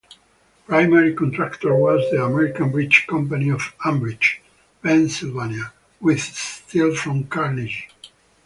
Primary contractor was the American Bridge Company of Ambridge, Pennsylvania with steel from Carnegie.